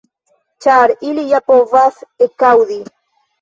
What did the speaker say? Ĉar ili ja povas ekaŭdi.